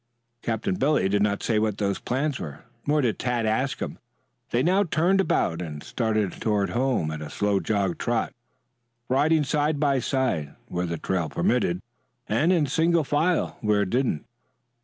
Captain Billy did not say what those plans were, nor did Tad ask him. They now turned about and started toward home at a slow jog trot, riding side by side where the trail permitted and in single file where it did not.